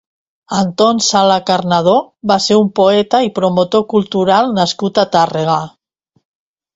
Anton Sala-Cornadó va ser un poeta i promotor cultural nascut a Tàrrega.